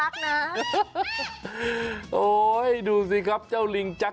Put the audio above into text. โอ้โหดูสิครับเจ้าลิงจักร